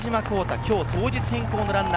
今日当日変更のランナー。